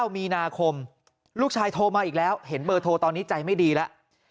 มีนาคมลูกชายโทรมาอีกแล้วเห็นเบอร์โทรตอนนี้ใจไม่ดีแล้ว